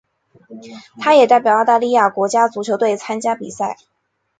他也代表澳大利亚国家足球队参加比赛。